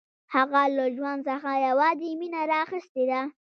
هغه له ژوند څخه یوازې مینه راخیستې ده